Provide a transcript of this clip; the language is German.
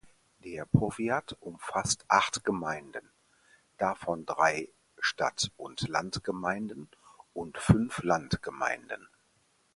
Der Powiat umfasst acht Gemeinden, davon drei Stadt-und-Land-Gemeinden und fünf Landgemeinden.